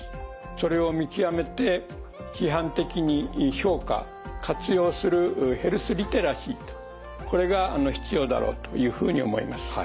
それを見極めて批判的に評価活用するヘルスリテラシーとこれが必要だろうというふうに思います。